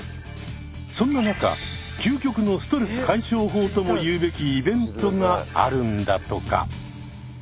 そんな中究極のストレス解消法ともいうべきイベントがあるんだとか。